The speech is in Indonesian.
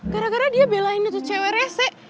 gara gara dia belain itu cewek rese